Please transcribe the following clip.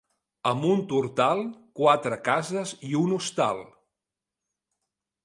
A Montortal, quatre cases i un hostal.